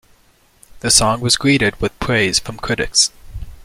The song was greeted with praise from critics.